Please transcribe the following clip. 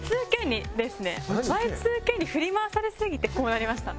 「Ｙ２Ｋ」に振り回されすぎてこうなりました。